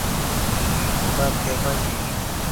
শ্রীলঙ্কায় হয় মসলা চা, সর্দি কাশিতে এটি খুবই ভালো শরীরের জন্য।